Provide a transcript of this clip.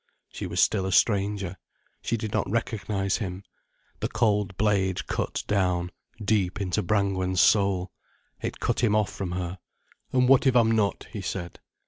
She was still a stranger. She did not recognize him. The cold blade cut down, deep into Brangwen's soul. It cut him off from her. "And what if I'm not?" he said.